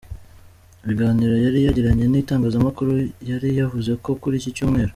biganiro yari yagiranye nitangazamakuru yari yavuze ko kuri iki cyumweru.